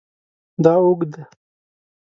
دا اوږد دی